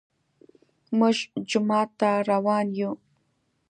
موږ جومات ته روان يو